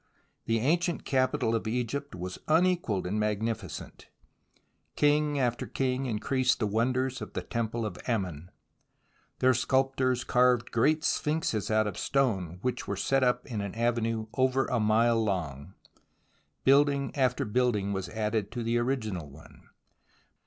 The ancient capital of Egypt was unequalled in magni ficence. King after king increased the wonders of the temple of Ammon ; their sculptors carved great sphinxes out of stone, which were set up in an avenue over a mile long. Building after building was added to the original one.